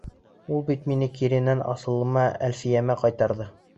Ул бит мине киренән асылыма, Әлфиәмә ҡайтарҙы.